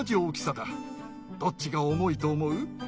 どっちが重いと思う？